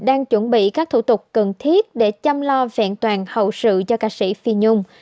đang chuẩn bị các thủ tục cần thiết để chăm lo vẹn toàn hậu sự cho ca sĩ phi nhung